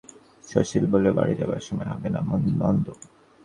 শশী বলিল, ও বাড়ি যাবার সময় হবে না নন্দ।